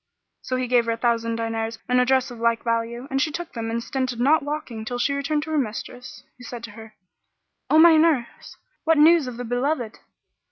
So he gave her a thousand diners and a dress of like value, and she took them and stinted not walking till she returned to her mistress, who said to her, "O my nurse! what news of the be loved?"